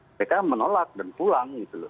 mereka menolak dan pulang gitu loh